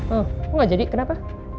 oh kok gak jadi kenapa